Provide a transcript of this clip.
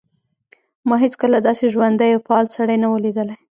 ما هیڅکله داسې ژوندی او فعال سړی نه و لیدلی